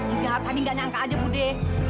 enggak tadi enggak nyangka aja budi